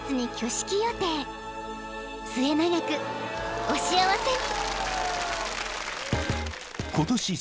［末永くお幸せに］